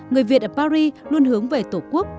người việt ở paris luôn hướng về tổ quốc